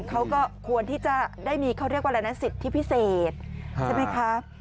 เขาก็ควรที่จะได้มีเขาเรียกว่าอะไรนะสิทธิพิเศษใช่ไหมคะ